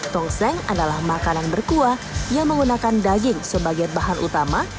tongseng adalah makanan berkuah yang menggunakan daging sebagai bahan utama